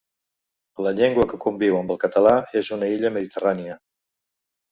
La llengua que conviu amb el català en una illa meditarrània.